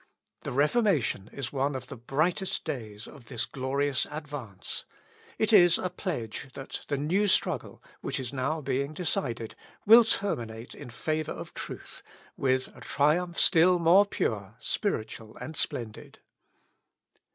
The Reformation is one of the brightest days of this glorious advance. It is a pledge that the new struggle, which is now being decided, will terminate in favour of truth, with a triumph still more pure, spiritual, and splendid.